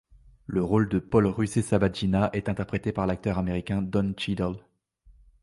Le rôle de Paul Rusesabagina est interprété par l'acteur américain Don Cheadle.